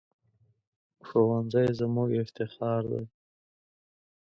ښوونځی زموږ افتخار دی